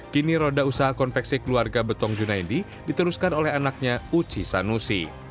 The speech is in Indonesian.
kini roda usaha konveksi keluarga betong junaindi diteruskan oleh anaknya uci sanusi